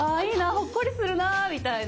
ほっこりするな」みたいな。